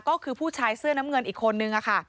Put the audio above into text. ก็คือผู้ชายเสื้อน้ำเงินอีกคนนึงค่ะ